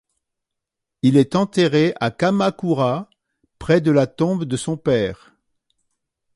Il est enterré à Kamakura, près de la tombe de son père.